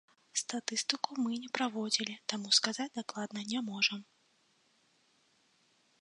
Статыстыку мы не праводзілі, таму сказаць дакладна не можам.